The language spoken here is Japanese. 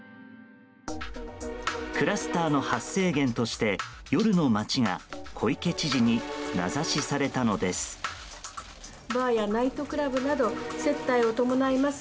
クラスターの発生源として夜の街が小池知事に名指しされたのです。